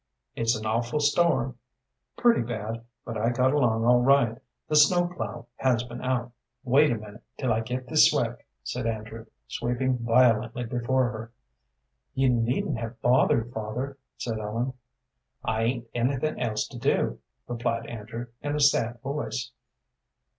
"It's an awful storm." "Pretty bad, but I got along all right. The snow plough has been out." "Wait a minute till I get this swept," said Andrew, sweeping violently before her. "You needn't have bothered, father," said Ellen. "I 'ain't anything else to do," replied Andrew, in a sad voice.